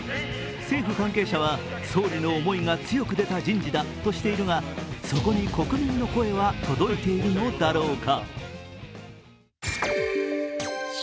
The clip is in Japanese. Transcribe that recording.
政府関係者は、総理の思いが強く出た人事だとしているが、そこに国民の声は届いているのだろうか。